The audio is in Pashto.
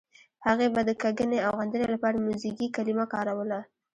هغې به د کږنې او غندنې لپاره موزیګي کلمه کاروله.